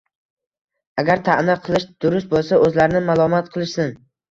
Agar ta’na qilish durust bo‘lsa, o‘zlarini malomat qilishsin.